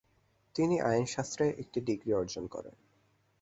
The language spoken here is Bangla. তিনি আইন শাস্ত্রে একটি ডিগ্রী অর্জন করেন।